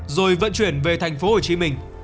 rồi vận chuyển về thành phố hồ chí minh